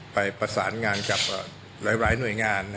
ไปประสานงานกับหลายหน่วยงาน